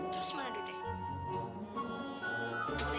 terus mana duitnya